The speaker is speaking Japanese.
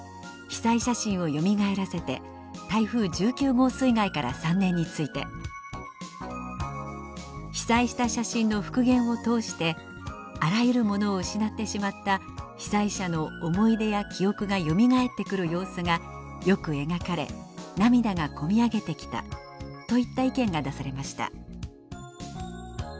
「被災写真をよみがえらせて台風１９号水害から３年」について「被災した写真の復元を通してあらゆるものを失ってしまった被災者の思い出や記憶がよみがえってくる様子がよく描かれ涙が込み上げてきた」といった意見が出されました。